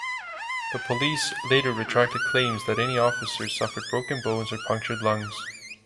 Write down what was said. The police later retracted claims that any officers suffered broken bones or punctured lungs.